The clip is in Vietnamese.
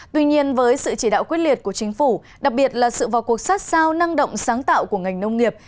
tuy nhiên với sự chỉ đạo quyết liệt của chính phủ đặc biệt là sự vào cuộc sát sao năng động sáng tạo của ngành nông nghiệp